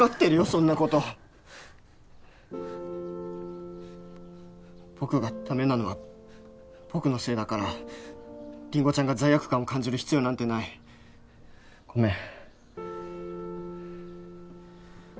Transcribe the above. そんなこと僕がダメなのは僕のせいだからりんごちゃんが罪悪感を感じる必要なんてないごめん